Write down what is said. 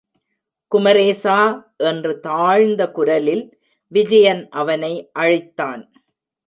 குமரேசா! என்று தாழ்ந்த குரலில் விஜயன் அவனை அழைத்தான்.